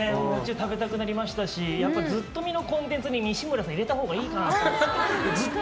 食べたくなりましたしずっとみのコンテンツに西村さんは入れたほうがいいと。